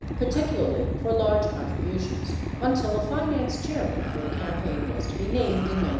615 particularly for large contributions, until a finance chairman for the campaign was to be named in 1972.